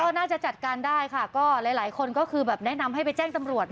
ก็น่าจะจัดการได้ค่ะหลายคนแนะนำให้ไปแจ้งตำรวจนะ